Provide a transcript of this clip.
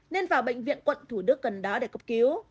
nên vào bệnh viện quận thủ đức gần đá để cấp cứu